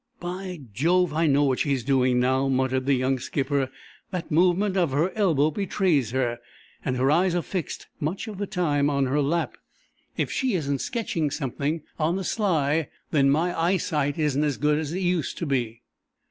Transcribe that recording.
"By Jove, I know what she's doing, now," muttered the young skipper. "That movement of her elbow betrays her, and her eyes are fixed, much of the time on her lap. If she isn't sketching something, on the sly, then my eyesight isn't as good as it used to be!"